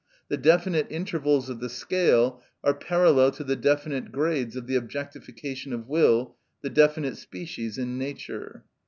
The definite intervals of the scale are parallel to the definite grades of the objectification of will, the definite species in nature.